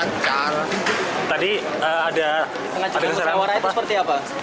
pengacaran usahawar itu seperti apa